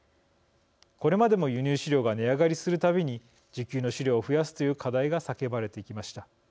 これまでも輸入飼料が値上がりする度に自給の飼料を増やすという課題が叫ばれてきました。